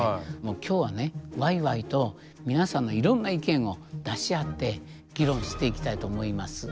今日はねわいわいと皆さんのいろんな意見を出し合って議論していきたいと思います。